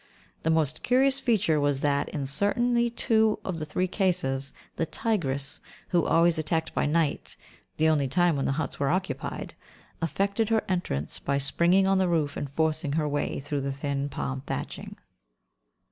The most curious feature was that in certainly two out of the three cases the tigress, who always attacked by night, the only time when the huts were occupied, effected her entrance by springing on the roof and forcing her way through the thin palm thatching.